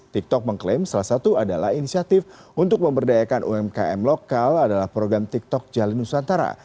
tiktok mengklaim salah satu adalah inisiatif untuk memberdayakan umkm lokal adalah program tiktok jalin nusantara